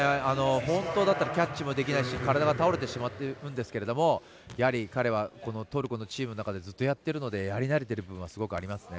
本当だったらキャッチもできないし体は倒れてしまうんですけどやはり彼はトルコのチームの中でずっとやっているのでやり慣れている部分がすごくありますね。